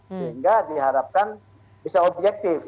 sehingga diharapkan bisa objektif